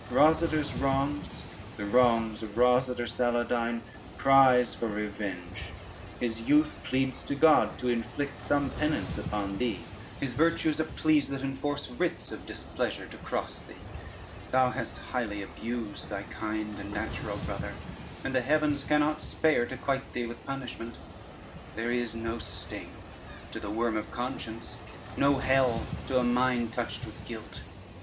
Rosader's wrongs, the wrongs of Rosader, Saladyne, cries for revenge; his youth pleads to God to inflict some penance upon thee; his virtues are pleas that enforce writs of displeasure to cross thee: thou hast highly abused thy kind and natural brother, and the heavens cannot spare to quite thee with punishment. There is no sting to the worm of conscience, no hell to a mind touched with guilt.